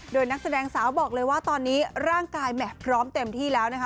โดยนักแสดงสาวบอกเลยว่าตอนนี้ร่างกายแหม่พร้อมเต็มที่แล้วนะคะ